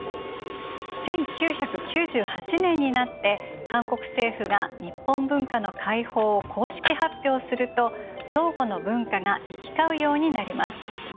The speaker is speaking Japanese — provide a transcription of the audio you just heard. １９９８年になって韓国政府が日本文化の解放を公式発表すると相互の文化が行き交うようになります。